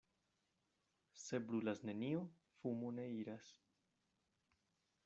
Se brulas nenio, fumo ne iras.